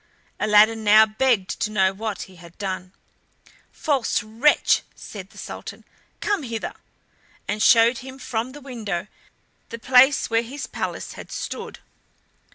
Aladdin now begged to know what he had done. "False wretch!" said the Sultan, "come hither," and showed him from the window the place where his palace had stood.